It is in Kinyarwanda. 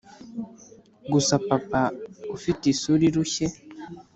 gusa papa, ufite isura irushye,